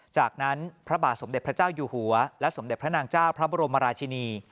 จากนั้นพระบาทสมเด็จพระเจ้าอยู่หัวและสมเด็จพระนางเจ้าพระบรมราชินี